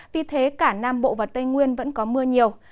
vì thế cả nam bộ và tây nguyên vẫn có mưa nhiều